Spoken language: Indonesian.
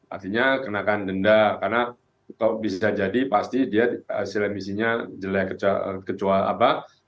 artinya kenakan denda karena kalau bisa jadi pasti dia hasil emisinya jelek kecuali apa